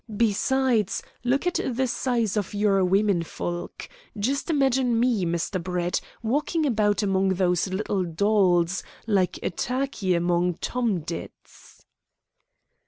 Besides, look at the size of your women folk. Just imagine me, Mr. Brett, walking about among those little dolls, like a turkey among tom tits."